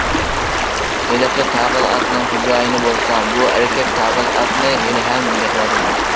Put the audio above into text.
ھېلىقى تاغىل ئاتنىڭ خوجايىنى بولسا بۇ ئەركەك تاغىل ئاتنى ھېلىھەم بېقىۋاتىدۇ.